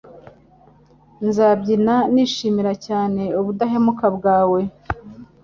Nzabyina nishimira cyane ubudahemuka bwawe